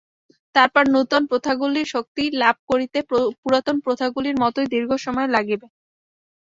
তারপর নূতন প্রথাগুলির শক্তি লাভ করিতে পুরাতন প্রথাগুলির মতই দীর্ঘ সময় লাগিবে।